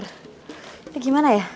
ini bagaimana ya